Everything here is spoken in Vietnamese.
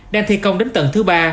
đang thi công đến tầng thứ ba